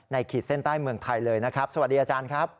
ขีดเส้นใต้เมืองไทยเลยนะครับสวัสดีอาจารย์ครับ